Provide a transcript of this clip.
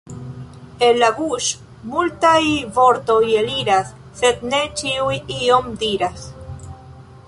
El la buŝ' multaj vortoj eliras, sed ne ĉiuj ion diras.